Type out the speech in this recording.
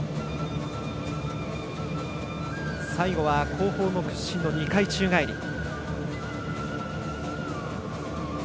最後は、後方の屈身の２回宙返り。